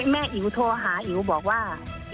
แม่อิวโทรหาอิวบอกว่า